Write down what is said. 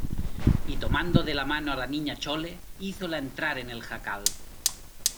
y tomando de la mano a la Niña Chole, hízola entrar en el jacal.